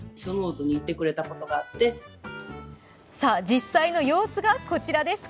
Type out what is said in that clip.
実際の様子がこちらです。